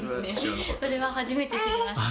それは初めて知りました。